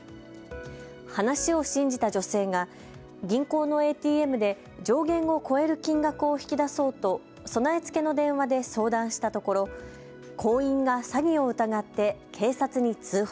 話を信じた女性が銀行のＡＴＭで上限を超える金額を引き出そうと備え付けの電話で相談したところ、行員が詐欺を疑って警察に通報。